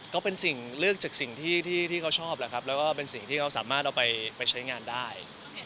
ก็เป็นสิ่งเลือกจากสิ่งที่เขาชอบแหละครับแล้วก็เป็นสิ่งที่เขาสามารถเอาไปใช้งานได้